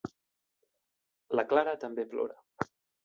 La Clara també plora.